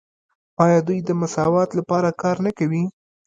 آیا دوی د مساوات لپاره کار نه کوي؟